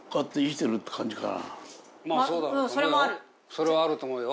それはあると思うよ。